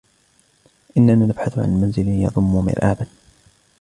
إننا نبحث عن منزل يضم مرآباً.